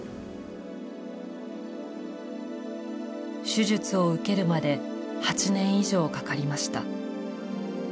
手術を受けるまで８年以上かかりました。